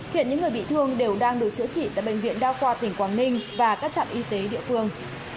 hiện những người bị thương đều đang được chữa trị tại bệnh viện đa khoa tỉnh quảng ninh và các trạm y tế địa phương